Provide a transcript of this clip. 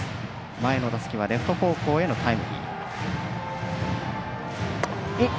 前の打席はレフト方向へのタイムリー。